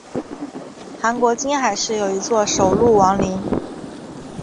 韩国金海市有一座首露王陵。